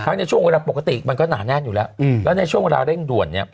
ในช่วงเวลาปกติมันก็หนาแน่นอยู่แล้วแล้วในช่วงเวลาเร่งด่วนเนี่ย